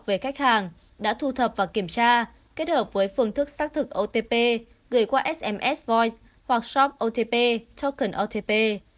về khách hàng đã thu thập và kiểm tra kết hợp với phương thức xác thực otp gửi qua sms voice hoặc shop otp token otp